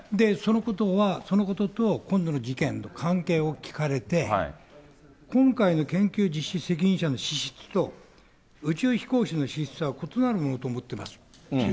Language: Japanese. そのことと今度の事件の関係を聞かれて、今回の研究実施責任者の資質と、宇宙飛行士の資質は異なるものと思ってますと。